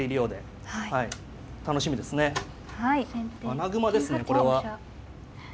穴熊ですねこれは。